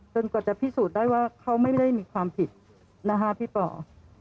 กว่าจะพิสูจน์ได้ว่าเขาไม่ได้มีความผิดนะคะพี่ป่อ